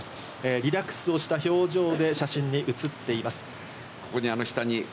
リラックスをした表情で写真に写っています。